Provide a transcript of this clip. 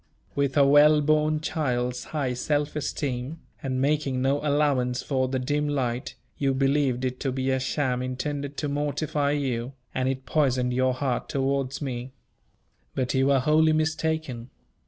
With a well born child's high self esteem, and making no allowance for the dim light, you believed it to be a sham intended to mortify you; and it poisoned your heart towards me. But you were wholly mistaken.